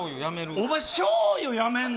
お前、しょうゆやめんの？